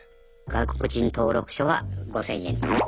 外国人登録書は５，０００円とか。